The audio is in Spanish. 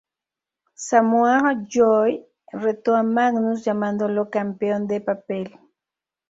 Samoa Joe retó a Magnus, llamándolo "campeón de papel".